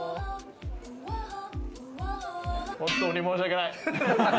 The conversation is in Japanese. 本当に申しわけない。